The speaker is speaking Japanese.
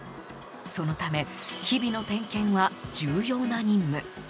そのため日々の点検は重要な任務。